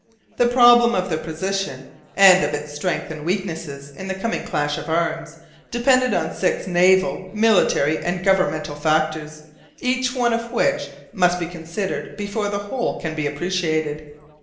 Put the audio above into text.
The problem of their position, and of its strength and weakness in the coming clash of arms, depended on six naval, military, and governmental factors, each one of which must be considered before the whole can be appreciated.